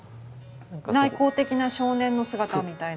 内向的な少年の姿みたいな。